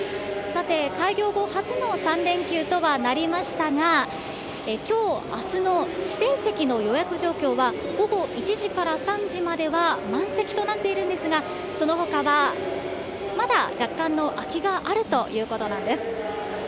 さて、開業後初の３連休とはなりましたが、きょう、あすの指定席の予約状況は、午後１時から３時までは満席となっているんですが、そのほかはまだ若干の空きがあるということなんです。